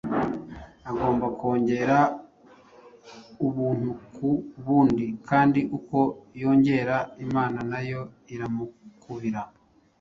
Agomba kongera ubuntu ku bundi; kandi uko yongera, Imana na yo iramukubira